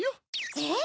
えっ？